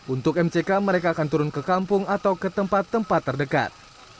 untuk mck mereka akan turun ke kampung atau ke tempat tempat terdekat